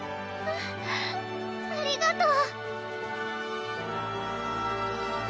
ありがとう！